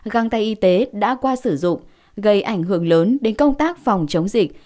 găng tay y tế đã qua sử dụng gây ảnh hưởng lớn đến công tác phòng chống dịch